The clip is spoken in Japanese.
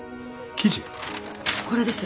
これです。